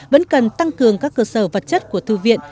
vẫn cần tăng cường các cơ sở vật chất của thư viện